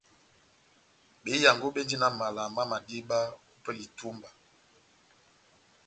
Behiyango béndini na mala má madiba ópɛlɛ ya itúmba